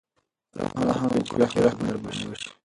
رحم وکړئ چې رحم در باندې وشي.